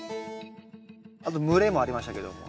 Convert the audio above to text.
あと蒸れもありましたけども。